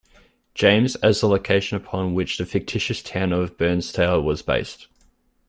James as the location upon which the fictitious town of Burnstow was based.